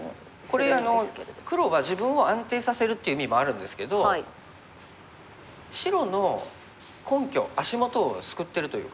これ黒は自分を安定させるっていう意味もあるんですけど白の根拠足元をすくってるというか。